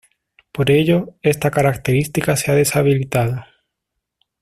Por ello, esta característica se ha deshabilitado.